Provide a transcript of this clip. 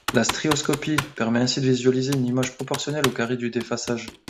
La strioscopie permet ainsi de visualiser une image proportionnelle au carré du déphasage.